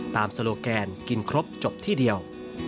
โซโลแกนกินครบจบที่เดียว